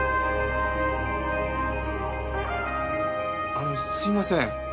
あのすいません。